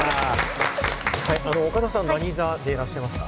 岡田さん、何座でいらっしゃいますか？